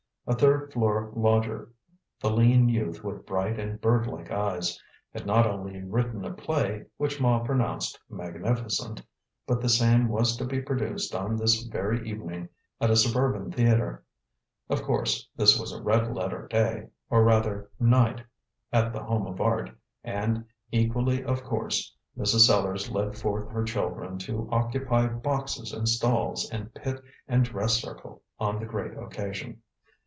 A third floor lodger the lean youth with bright and bird like eyes had not only written a play, which Ma pronounced magnificent, but the same was to be produced on this very evening at a suburban theatre. Of course, this was a red letter day or, rather, night at The Home of Art, and equally of course, Mrs. Sellars led forth her children to occupy boxes and stalls and pit and dress circle on the great occasion.